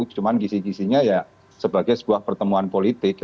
cuma gisi gisinya ya sebagai sebuah pertemuan politik